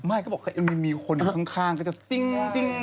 อย่าจำมีคนข้างก็จัดจิ้งดิ้ง